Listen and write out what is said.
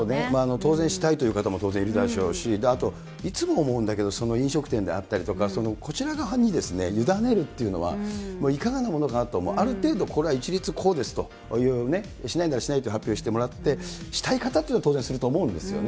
当然、したいという方も当然いるでしょうし、あと、いつも思うんだけれども、飲食店だとかこちら側に委ねるっていうのは、いかがなものかなと、ある程度、これは一律こうですというね、しないならしないという発表をしてもらって、したい方っていうのは、当然すると思うんですよね。